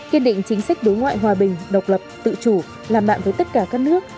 kiên định chính sách đối ngoại hòa bình độc lập tự chủ làm bạn với tất cả các nước